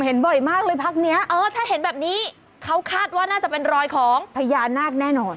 เห็นบ่อยมากเลยพักเนี้ยเออถ้าเห็นแบบนี้เขาคาดว่าน่าจะเป็นรอยของพญานาคแน่นอน